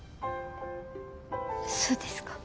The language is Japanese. そうですか。